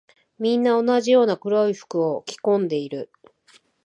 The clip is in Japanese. みんな同じような黒い服を着込んでいる。